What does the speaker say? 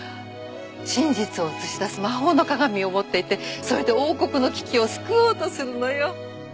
真実を映し出す魔法の鏡を持っていてそれで王国の危機を救おうとするのよ。